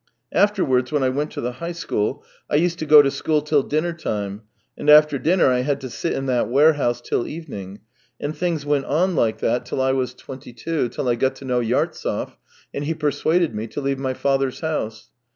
Afterwards when I went to the high school. I used to go to school till dinner time, and after dinner I had to sit in that warehouse till evening; and things went 230 THE TALES OF TCHEHOV on like that till I was twenty two, till I got to know Yartsev, and he persuaded me to leave my father's house.